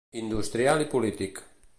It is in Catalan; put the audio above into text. Industrial i polític.